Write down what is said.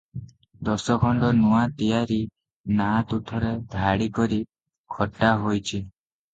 ଦଶଖଣ୍ଡ ନୂଆ ତିଆରି ନାଆ ତୁଠରେ ଧାଡ଼ି କରି ଖଟା ହୋଇଛି ।